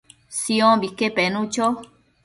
Siombique penu cho